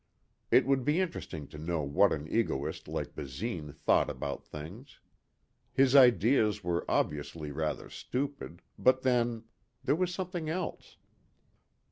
It would be interesting to know what an egoist like Basine thought about things. His ideas were obviously rather stupid, but then there was something else.